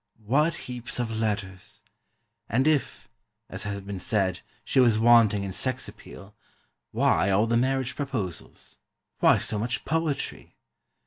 What heaps of letters! And if, as has been said, she was wanting in sex appeal, why all the marriage proposals? Why so much poetry?